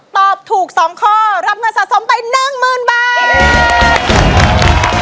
ตอบถูก๒ข้อรับเงินสะสมไป๑๐๐๐บาท